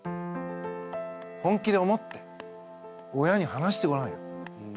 本気で思って親に話してごらんよ。